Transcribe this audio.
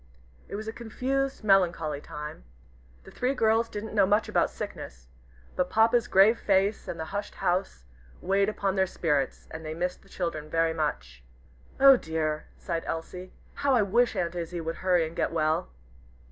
It was a confused, melancholy time. The three girls didn't know much about sickness, but Papa's grave face, and the hushed house, weighed upon their spirits, and they missed the children very much. "Oh dear!" sighed Elsie. "How I wish Aunt Izzie would hurry and get well."